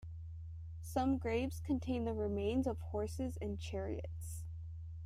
Some graves contain the remains of horses and chariots.